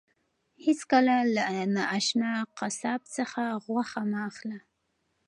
هیڅکله له نااشنا قصاب څخه غوښه مه اخله.